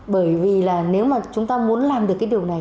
bởi vì nếu chúng ta muốn làm được điều này